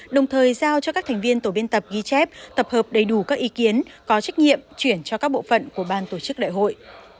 đồng thời giao cho các thành viên tổ biên tập ghi chép tập hợp đầy đủ các ý kiến có trách nhiệm chuyển cho các bộ phận của ban tổ chức đại hội